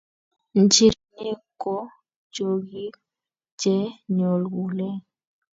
nchirenik ko chong'ik che nyolkulen